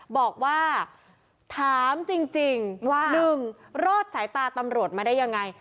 บอกว่าถามจริงว่า๑รอดสายตาตำรวจมาได้ยังไง